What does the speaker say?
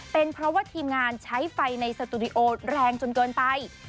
เป็นเพราะว่าทีมงานใช้ไฟในสตูดิโอแรงจนเกินไป